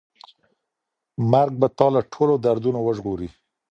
مرګ به تا له ټولو دردونو وژغوري.